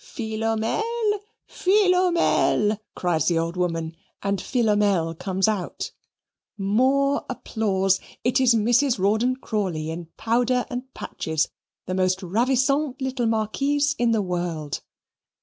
"Philomele, Philomele," cries the old woman, and Philomele comes out. More applause it is Mrs. Rawdon Crawley in powder and patches, the most ravissante little Marquise in the world.